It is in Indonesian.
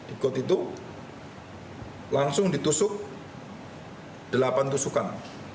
ikut itu langsung ditusuk delapan tusukan